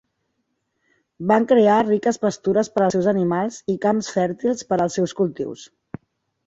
Van crear riques pastures per als seus animals i camps fèrtils per als seus cultius.